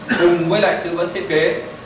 cùng với lại tư vấn thiết kế